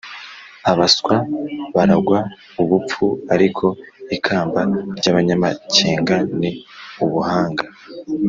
abaswa baragwa ubupfu, ariko ikamba ry’abanyamakenga ni ubuhanga